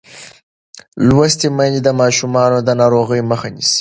لوستې میندې د ماشومانو د ناروغۍ مخه نیسي.